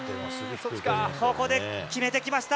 ここで決めてきました。